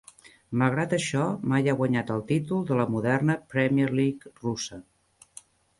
Malgrat això, mai ha guanyat el títol de la moderna Premier League russa.